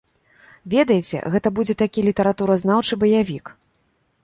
Ведаеце, гэта будзе такі літаратуразнаўчы баявік.